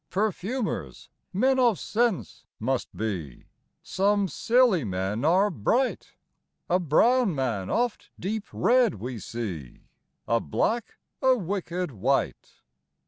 Perfumers, men of scents must be, some Scilly men are bright; A brown man oft deep read we see, a black a wicked wight.